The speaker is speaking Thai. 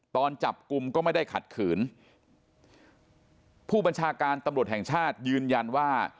ตอนจับกลุ่มก็ไม่ได้ขัดขืนผู้บัญชาการตำรวจแห่งชาติยืนยันว่า